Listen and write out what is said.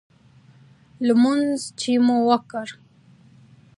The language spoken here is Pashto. لمونځ چې مو وکړ.